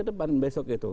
pada besok itu